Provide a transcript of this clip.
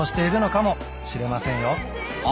あ！